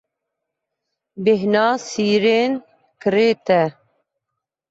Bêhna sîrên kirêt e.